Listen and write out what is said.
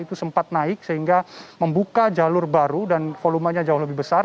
itu sempat naik sehingga membuka jalur baru dan volumenya jauh lebih besar